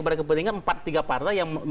mereka berpikir empat tiga partai yang menolak